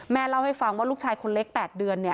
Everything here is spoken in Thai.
เล่าให้ฟังว่าลูกชายคนเล็ก๘เดือนเนี่ย